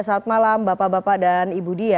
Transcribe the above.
selamat malam bapak bapak dan ibu dia